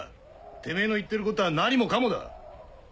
てめぇの言っていることは何もかもだ！